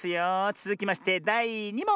つづきましてだい２もん！